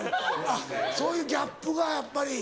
あっそういうギャップがやっぱり。